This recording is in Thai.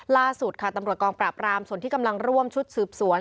ล่าสุดค่ะตำรวจกองปราบรามส่วนที่กำลังร่วมชุดสืบสวน